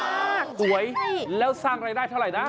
กล้ามากสวยแล้วสร้างรายได้เท่าไรนะ